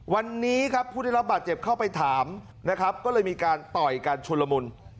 วันนี้ครับผู้ได้รับบาดเจ็บเข้าไปถามนะครับก็เลยมีการต่อยกันชุนละมุน